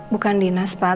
bukan dinas pak